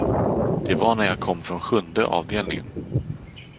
Det var när jag kom från sjunde avdelningen.